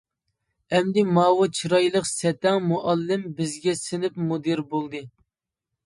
ئەمدى ماۋۇ چىرايلىق سەتەڭ مۇئەللىم بىزگە سىنىپ مۇدىرى بولدى.